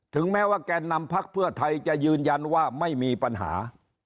แม้ว่าแกนนำพักเพื่อไทยจะยืนยันว่าไม่มีปัญหา